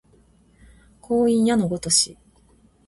光陰矢のごとし